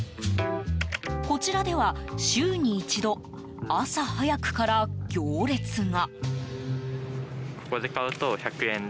こちらでは週に一度、朝早くから行列が。